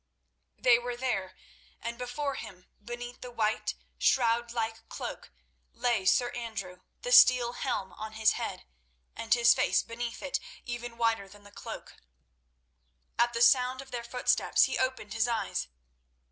They were there, and before them, beneath the white, shroud like cloak, lay Sir Andrew, the steel helm on his head, and his face beneath it even whiter than the cloak. At the sound of their footsteps he opened his eyes.